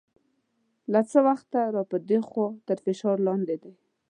له څه وخته را په دې خوا تر فشار لاندې دی.